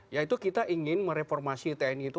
yaitu kita ingin mereformasi tni itu